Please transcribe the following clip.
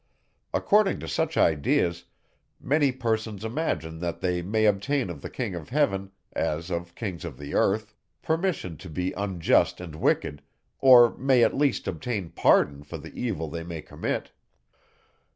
According to such ideas, many persons imagine that they may obtain of the king of heaven, as of kings of the earth, permission to be unjust and wicked, or may at least obtain pardon for the evil they may commit.